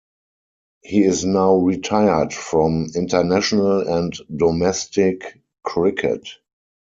He is now retired from international and domestic cricket.